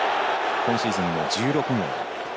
今シーズンの１６号。